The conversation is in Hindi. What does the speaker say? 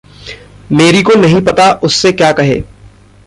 मेरी को नहीं पता उससे क्या कहे।